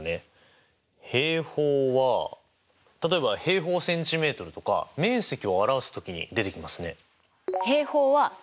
平方は例えば平方センチメートルとか面積を表す時に出てきますね。